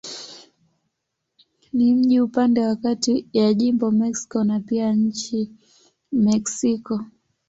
Ni mji upande wa kati ya jimbo Mexico na pia nchi Mexiko.